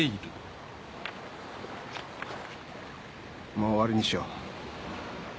もう終わりにしよう。